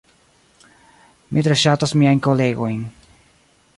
Mi tre ŝatas miajn kolegojn